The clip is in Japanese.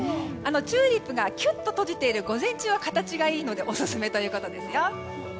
チューリップがキュッと閉じている午前中は形がいいのでオススメということですよ。